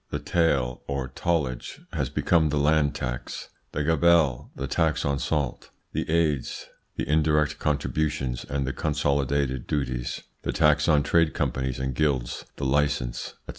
The "taille" or tallage has become the land tax; the "gabelle," the tax on salt; the "aids," the indirect contributions and the consolidated duties; the tax on trade companies and guilds, the license, &c.